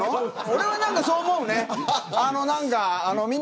俺は、そう思うね。